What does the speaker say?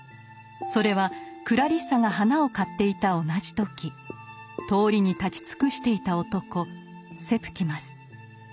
それはクラリッサが花を買っていた同じ時通りに立ち尽くしていた男セプティマス。